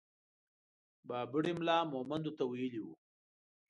بابړي ملا مهمندو ته ويلي وو.